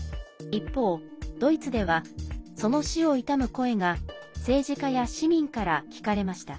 一方、ドイツではその死を悼む声が政治家や市民から聞かれました。